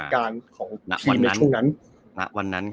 การของทีมในช่วงนั้น